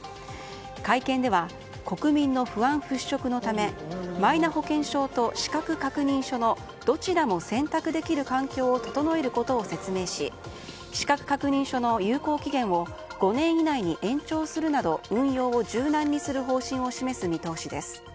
会見では、国民の不安払拭のためマイナ保険証と資格確認書のどちらも選択できる環境を整えることを説明し、資格確認書の有効期限を５年以内に延長するなど運用を柔軟にする方針を示す見通しです。